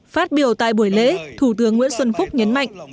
phát biểu tại buổi lễ thủ tướng nguyễn xuân phúc nhấn mạnh